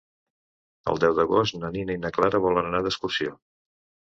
El deu d'agost na Nina i na Clara volen anar d'excursió.